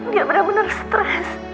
dia benar benar stres